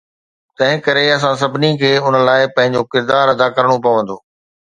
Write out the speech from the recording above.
تنهنڪري اسان سڀني کي ان لاءِ پنهنجو ڪردار ادا ڪرڻو پوندو.